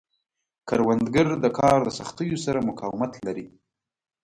کروندګر د کار د سختیو سره مقاومت لري